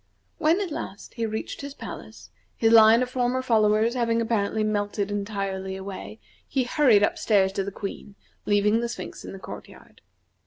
When at last, he reached his palace, his line of former followers having apparently melted entirely away, he hurried up stairs to the Queen, leaving the Sphinx in the court yard.